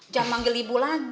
jangan manggil ibu lagi